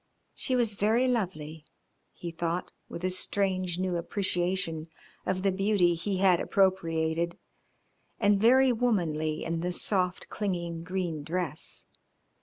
She was very lovely, he thought, with a strange new appreciation of the beauty he had appropriated, and very womanly in the soft, clinging green dress.